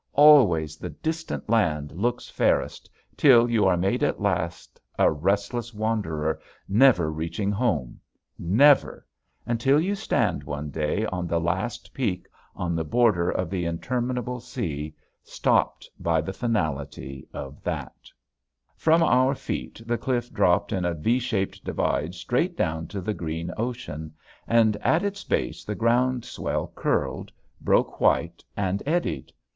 Always the distant land looks fairest, till you are made at last a restless wanderer never reaching home never until you stand one day on the last peak on the border of the interminable sea, stopped by the finality of that. [Illustration: THE IMPERISHABLE] From our feet the cliff dropped in a V shaped divide straight down to the green ocean; and at its base the ground swell curled, broke white and eddied.